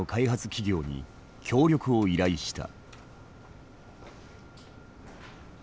企業に協力を依頼した。